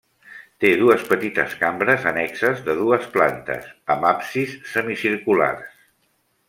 Té dues petites cambres annexes, de dues plantes, amb absis semicirculars.